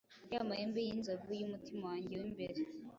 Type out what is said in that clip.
y'amahembe y'inzovu y'umutima wanjye w'imbere,